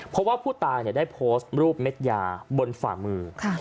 เพราะว่าผู้ตายได้โพสต์รูปเม็ดยาบนฝ่ามือ